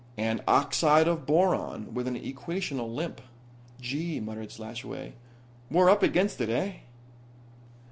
And oxide of boron with an equational limp." "Gee," muttered Slashaway. "We're up against it, eh?"